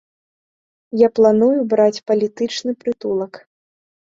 Я планую браць палітычны прытулак.